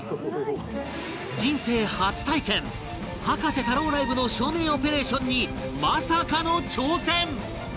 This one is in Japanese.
人生初体験葉加瀬太郎ライブの照明オペレーションにまさかの挑戦